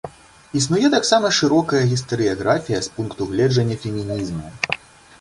Існуе таксама шырокая гістарыяграфія з пункту гледжання фемінізму.